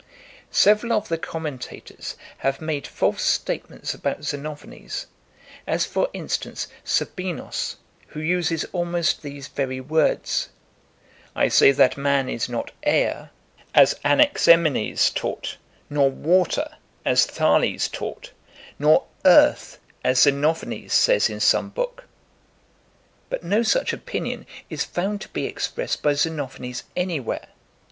Fr. 5a ; Galen, in Hipp. d. n. h. xv. 35K. ; Dox. 481. Several of the commentators have made false statements about Xenophanes, as for instance Sabinos, who uses almost these very words: 'I say that man is not air, as Anaximenes taught, nor water, as Thales taught, nor earth, as Xenophanes says in some book;' but no such opinion is found to be ex pressed by Xenophanes anywhere.